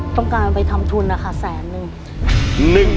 ต้องการไปทำทุนนะคะแสนนึง